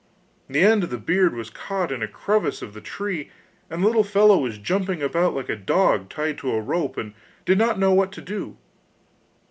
The end of the beard was caught in a crevice of the tree, and the little fellow was jumping about like a dog tied to a rope, and did not know what to do.